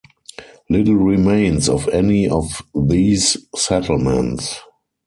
Little remains of any of these settlements.